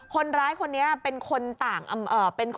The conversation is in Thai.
คนร้ายคนนี้เป็นคนต่าง